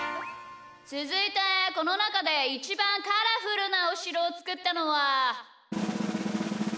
つづいてこのなかでイチバンカラフルなおしろをつくったのは？